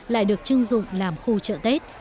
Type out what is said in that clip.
lại được chưng dụng làm khu chợ tết